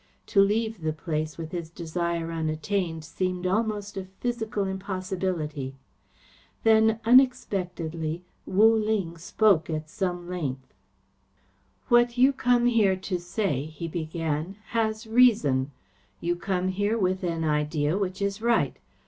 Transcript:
To leave the place with his desire unattained seemed almost a physical impossibility. Then, unexpectedly, Wu Ling spoke at some length. "What you come here to say," he began, "has reason. You come here with an idea which is right.